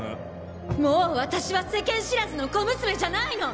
もう私は世間知らずの小娘じゃないの！